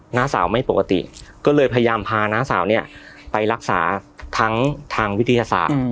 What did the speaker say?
หน้าสาวไม่ปกติก็เลยพยายามพาน้าสาวเนี่ยไปรักษาทั้งทางวิทยาศาสตร์